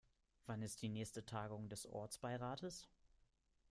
Wann ist die nächste Tagung des Ortsbeirates?